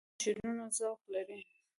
غوږونه د شعرونو ذوق لري